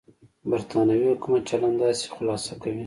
برېټانوي حکومت چلند داسې خلاصه کوي.